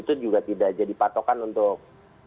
itu juga tidak jadi patokan untuk